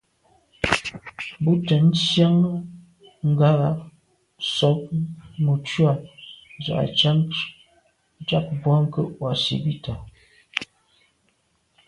Bú tɛ̌n tsjə́ŋ ŋgà sɔ̀ŋ mùcúà zə̄ à'cák câk bwɔ́ŋkə́ʼ wàsìbítà.